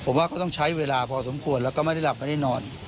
ผมว่าก็ต้องใช้เวลาพอสมควรแล้วก็ไม่ได้หลับไม่ได้นอน